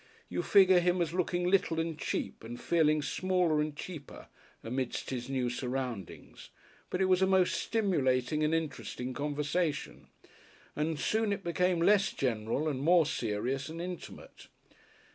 You figure him as looking little and cheap and feeling smaller and cheaper amidst his new surroundings. But it was a most stimulating and interesting conversation. And soon it became less general and more serious and intimate.